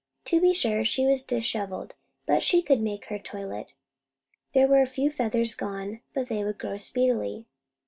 To be sure, she was dishevelled; but she could make her toilet. There were a few feathers gone; but they would grow speedily.